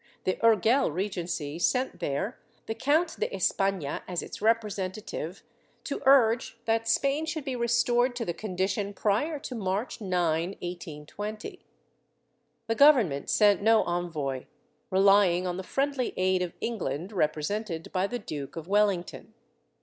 The Urgel Regency sent there the Count de Espana as its representative to urge that Spain should be restored to the condition prior to March 9, 1820; the Government sent no envoy, relying on the friendly aid of England, represented by the Duke of Wellington.